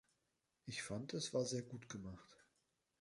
Ich fand, es war sehr gut gemacht.